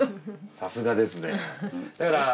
さすがですね。